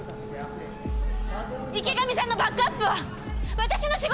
池上さんのバックアップは私の仕事です！